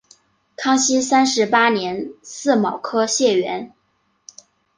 康熙三十八年己卯科解元。